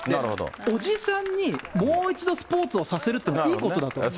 おじさんにもう一度スポーツをさせるっていいことだと思って。